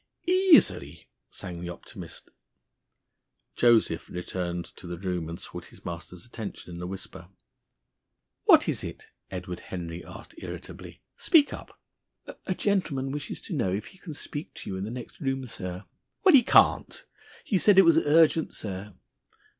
"Easily!" sang the optimist. Joseph returned to the room, and sought his master's attention in a whisper. "What is it?" Edward Henry asked irritably. "Speak up!" "A gentleman wishes to know if he can speak to you in the next room, sir." "Well, he can't." "He said it was urgent, sir."